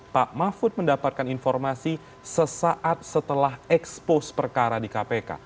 pak mahfud mendapatkan informasi sesaat setelah ekspos perkara di kpk